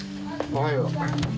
おはよう。